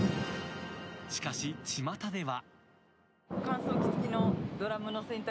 しかし、ちまたでは。